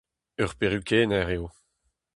Ur perukenner eo.